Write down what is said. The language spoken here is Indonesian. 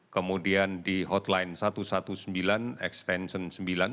kemudian di hotline satu ratus sembilan belas extension sembilan